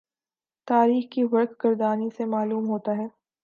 تاریخ کی ورق گردانی سے معلوم ہوتا ہے